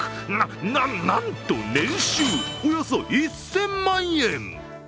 な、な、なんと年収およそ１０００万円。